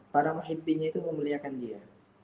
para mimpinya itu memuliakan dia